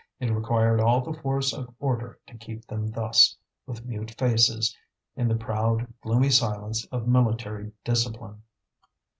It required all the force of order to keep them thus, with mute faces, in the proud, gloomy silence of military discipline.